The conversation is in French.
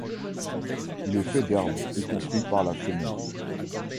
Il est fait d'herbe et construit par la femelle.